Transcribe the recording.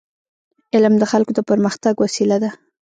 علم د خلکو د پرمختګ وسیله ده.